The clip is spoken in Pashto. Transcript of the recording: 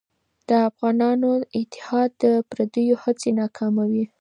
د افغانانو اتحاد د پرديو هڅې ناکاموي.